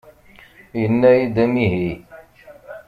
Yenna-iyi-d amihi!